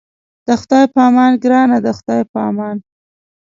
د خدای په امان ګرانه د خدای په امان.